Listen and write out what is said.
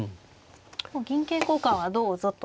銀桂交換はどうぞと。